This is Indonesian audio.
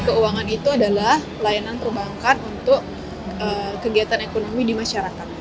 keuangan itu adalah pelayanan perbankan untuk kegiatan ekonomi di masyarakat